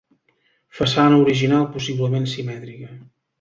Façana original possiblement simètrica.